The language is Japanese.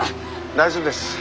大丈夫です。